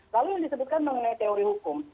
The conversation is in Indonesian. lalu yang disebutkan mengenai teori hukum